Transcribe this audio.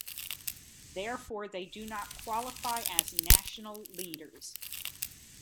Therefore, they do not qualify as "national leaders".